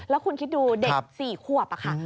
แล้วคุณคิดดูเด็ก๔ขวบค่ะ